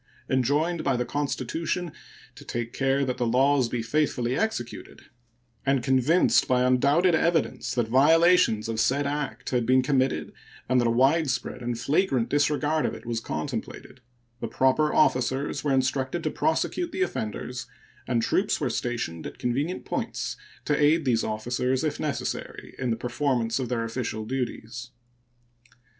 Enjoined by the Constitution "to take care that the laws be faithfully executed," and convinced by undoubted evidence that violations of said act had been committed and that a widespread and flagrant disregard of it was contemplated, the proper officers were instructed to prosecute the offenders, and troops were stationed at convenient points to aid these officers, if necessary, in the performance of their official duties.